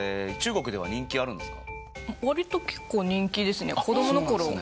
割と結構人気ですね。